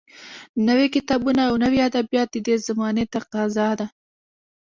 نوي کتابونه او نوي ادبیات د دې زمانې تقاضا ده